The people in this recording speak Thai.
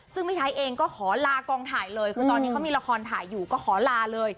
ซึ่งพี่ไทยเองก็ขอลากองถ่ายเลยคือตอนนี้เขามีละครถ่ายอยู่ก็ขอลาเลย